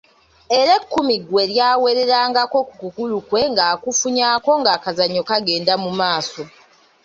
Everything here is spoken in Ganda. Era ekkumi gwe lyawererangako ku kugulu kwe ng’akufunyako ng’akazannyo kagenda mu maaso.